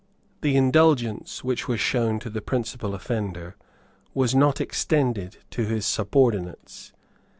The indulgence which was shown to the principal offender was not extended to his subordinates.